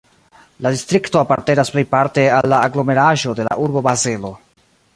La distrikto apartenas plejparte al la aglomeraĵo de la urbo Bazelo.